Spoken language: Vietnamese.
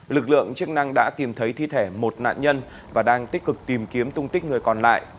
lực lượng chức năng đã tìm thấy thi thể một nạn nhân và đang tích cực tìm kiếm tung tích người còn lại